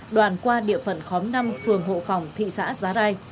đoạn qua địa phận khóm năm phường hộ phòng thị xã giá rai